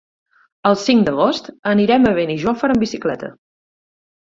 El cinc d'agost anirem a Benijòfar amb bicicleta.